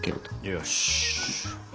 よし。